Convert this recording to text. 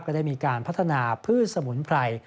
ได้มีการพัฒนาพืชสมุนไพร